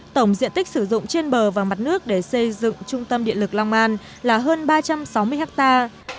tổng diện tích sử dụng trên bờ và mặt nước để xây dựng trung tâm điện lực long an là hơn ba trăm sáu mươi hectare